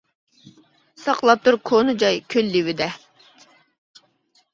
ساقلاپ تۇر كونا جاي كۆل لېۋىدە.